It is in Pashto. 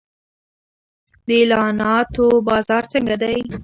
د اعلاناتو بازار څنګه دی؟